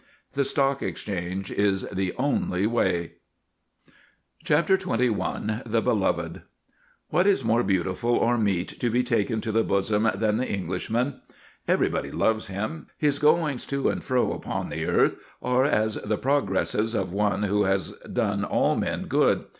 The Stock Exchange is the only way. CHAPTER XXI THE BELOVED What is more beautiful or meet to be taken to the bosom than the Englishman? Everybody loves him; his goings to and fro upon the earth are as the progresses of one who has done all men good.